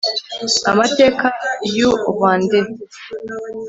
amateka y u Rwandais